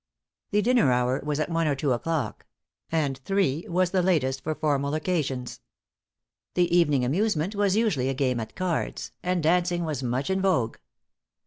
The dinner hour was at one or two o'clock; and three was the latest for formal occasions. The evening amusement was usually a game at cards; and dancing was much in vogue.